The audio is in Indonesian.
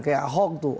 kayak ahok tuh